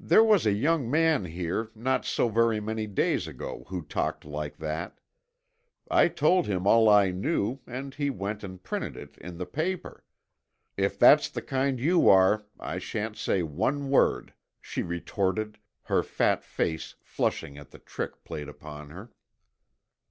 "There was a young man here not so very many days ago who talked like that. I told him all I knew and he went and printed it in the paper. If that's the kind you are I shan't say one word," she retorted, her fat face flushing at the trick played upon her.